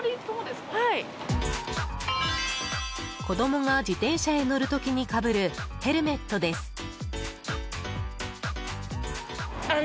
子供が自転車へ乗る時にかぶるヘルメットです。